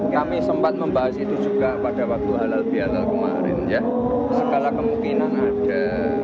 kami sempat membahas itu juga pada waktu halal bihalal kemarin ya segala kemungkinan ada